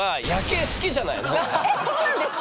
えっそうなんですか？